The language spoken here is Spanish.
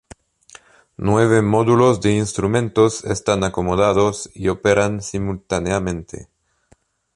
Nueve módulos de instrumentos están acomodadas y operan simultáneamente.